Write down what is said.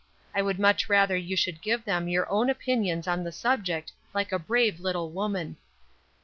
I would much rather that you should give them your own opinions on the subject like a brave little woman."